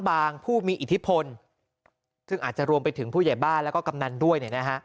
อาจจะรวมไปถึงผู้ใหญ่บ้านและกำนันด้วย